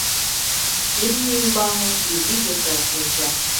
Имне ӱмбалне изи йоча шинча.